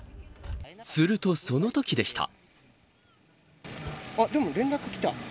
すると、そのときでした。